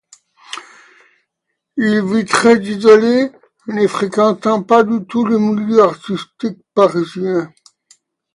Il vit très isolé, ne fréquentant pas du tout les milieux artistiques parisiens.